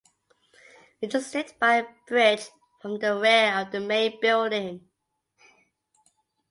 It is linked by a bridge from the rear of the main building.